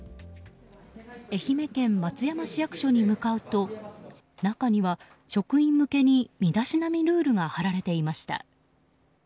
愛媛県松山市役所に向かうと中には職員向けに身だしなみルールが貼られていました。